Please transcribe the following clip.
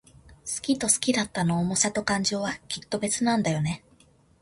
好きと好きだったの想さと感情は、きっと別なんだよね。